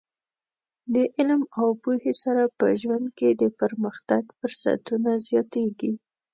د علم او پوهې سره په ژوند کې د پرمختګ فرصتونه زیاتېږي.